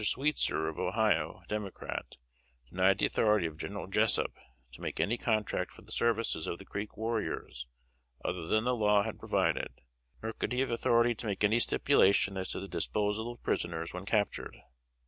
Sweetzer, of Ohio, Democrat, denied the authority of General Jessup to make any contract for the services of the Creek warriors other than the law had provided; nor could he have authority to make any stipulation as to the disposal of prisoners when captured.